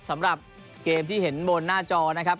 สำหรับเกมที่เห็นบนหน้าจอนะครับ